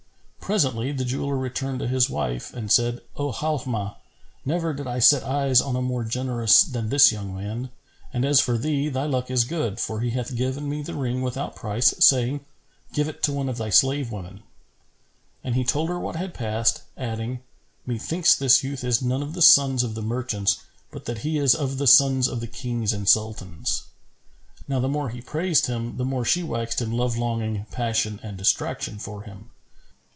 Presently the jeweller returned to his wife and said, "O Halнmah,[FN#408] never did I set eyes on a more generous than this young man, and as for thee, thy luck is good, for he hath given me the ring without price, saying, 'Give it to one of thy slave women.'" And he told her what had passed, adding, "Methinks this youth is none of the sons of the merchants, but that he is of the sons of the Kings and Sultans." Now the more he praised him, the more she waxed in love longing, passion and distraction for him.